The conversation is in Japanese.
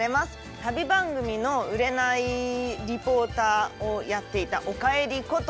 旅番組の売れないリポーターをやっていた「おかえり」こと